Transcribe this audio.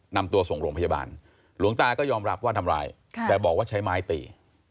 นำตัวส่งโรงพยาบาลหลวงตาก็ยอมรับว่าทำร้ายแต่บอกว่าใช้ไม้ตี